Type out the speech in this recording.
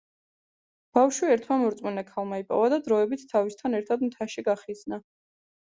ბავშვი ერთმა მორწმუნე ქალმა იპოვა და დროებით თავისთან ერთად მთაში გახიზნა.